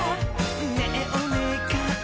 「ねぇおねがい」